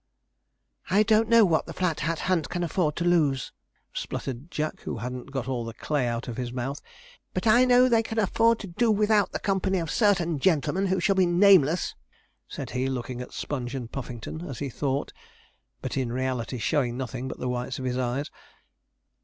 'I don't know what the Flat Hat Hunt can afford to lose,' spluttered Jack, who hadn't got all the clay out of his mouth; 'but I know they can afford to do without the company of certain gentlemen who shall be nameless,' said he, looking at Sponge and Puffington as he thought, but in reality showing nothing but the whites of his eyes.